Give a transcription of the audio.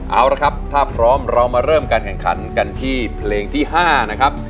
เอาละครับถ้าพร้อมเรามาเริ่มการแข่งขันกันที่เพลงที่๕นะครับ